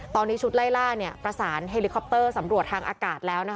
ตอนนี้ชุดไล่ล่าประสานเฮลิคอปเตอร์สำรวจทางอากาศแล้ว